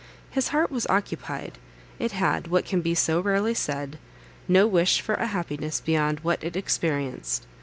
His heart was occupied; it had, what can be so rarely said, no wish for a happiness beyond what it experienced.